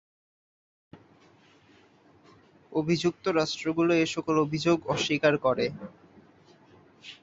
অভিযুক্ত রাষ্ট্রগুলো এ সকল অভিযোগ অস্বীকার করে।